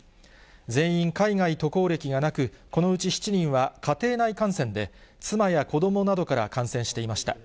全員、海外渡航歴がなく、このうち７人は家庭内感染で、妻や子どもなどから感染していました。